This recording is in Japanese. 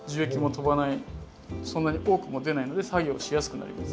そんなに多くも出ないので作業しやすくなります。